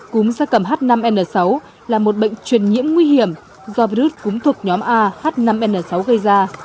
cúm gia cầm h năm n sáu là một bệnh truyền nhiễm nguy hiểm do virus cúm thuộc nhóm a h năm n sáu gây ra